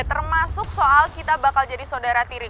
termasuk soal kita bakal jadi saudara tiri